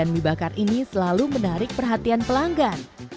mie bakar ini selalu menarik perhatian pelanggan